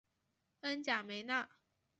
恩贾梅纳。